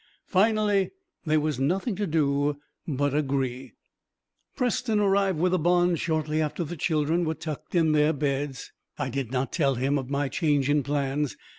Finally there was nothing to do but agree. Preston arrived with the bonds shortly after the children were tucked in their beds. I did not tell him of my change in plans.